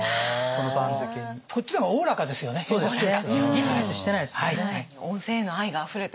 ギスギスしてないですもんね。